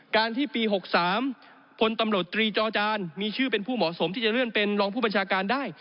การที่ปี๖๓พลตำรวจตรีจอจานมีชื่อเป็นผู้เหมาะสมที่จะเลื่อนเป็นรองผู้บัญชาการได้